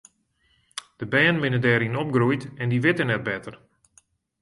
De bern binne dêryn opgroeid en dy witte net better.